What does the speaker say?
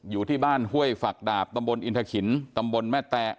อยู่ที่บ้านห้วยฝักดาบตำบลอินทะขินตำบลแม่แตะ